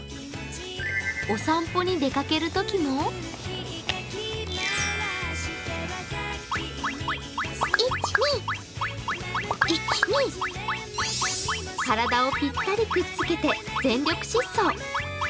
お散歩に出かけるときも体をぴったりくっつけて全力疾走。